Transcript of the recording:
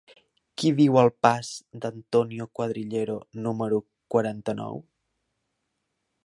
Qui viu al pas d'Antonio Cuadrillero número quaranta-nou?